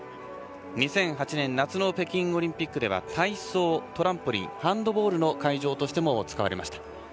２００８年夏の北京オリンピックでは体操トランポリンハンドボールの会場としても使われました。